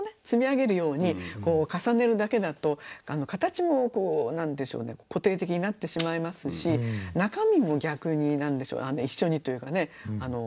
積み上げるようにこう重ねるだけだと形もこう何でしょうね固定的になってしまいますし中身も逆に何でしょう一緒にというかね